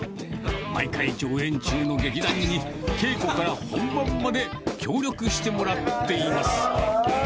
毎回、上演中の劇団に稽古から本番まで協力してもらっています。